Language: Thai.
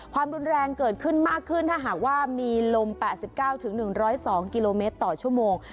ความรุนแรงเกิดขึ้นมากขึ้นถ้าหากว่ามีลม๘๙๑๐๒กิโลเมตรต่อชั่วโมง